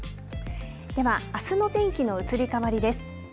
では、あすの天気の移り変わりです。